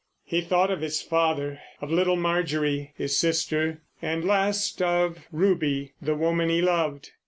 He thought of his father, of little Marjorie, his sister. And last of Ruby, the woman he loved!